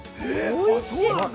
おいしい！